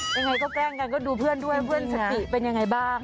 ยังไงก็แกล้งกันก็ดูเพื่อนด้วยเพื่อนสติเป็นยังไงบ้าง